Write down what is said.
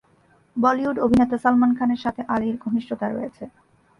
বলিউড অভিনেতা সালমান খানের সাথে আলির ঘনিষ্ঠতা রয়েছে।